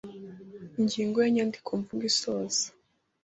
Ingingo ya Inyandikomvugo isoza